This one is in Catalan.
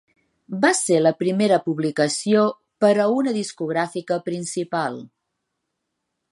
Va ser la primera publicació per a una discogràfica principal.